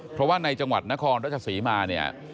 เพราะว่าในจังหวัดนครราชศรีมาเนี่ย